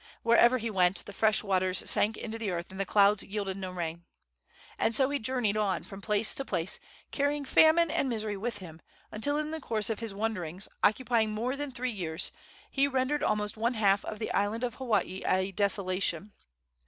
Wherever he went the fresh waters sank into the earth and the clouds yielded no rain. And so he journeyed on from place to place, carrying famine and misery with him, until in the course of his wanderings, occupying more than three years, he rendered almost one half of the island of Hawaii a desolation.